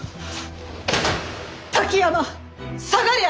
滝山下がりゃ！